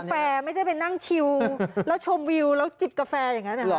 คือร้านกาแฟไม่ใช่เป็นนั่งชิวแล้วชมวิวแล้วจิบกาแฟอย่างนั้นหรือครับ